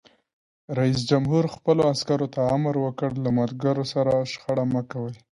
رئیس جمهور خپلو عسکرو ته امر وکړ؛ له ملګرو سره شخړه مه کوئ!